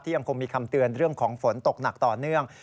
ยังคงมีคำเตือนเรื่องของฝนตกหนักต่อเนื่อง